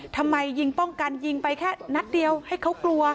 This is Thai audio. ทำไมยิงป้องกันยิงไปแค่นัดเดียวให้เขากลัว